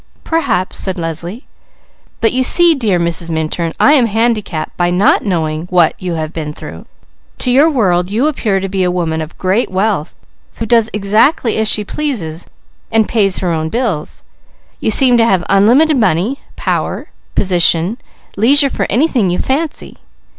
"Perhaps," said Leslie. "But you see dear Mrs. Minturn, I am handicapped by not knowing what you have been through. To your world you appear to be a woman of great wealth, who does exactly as she pleases and pays her own bills. You seem to have unlimited money, power, position, leisure for anything you fancy.